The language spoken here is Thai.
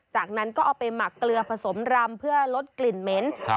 จากนั้นก็เอาไปหมักเกลือผสมรำเพื่อลดกลิ่นเหม็น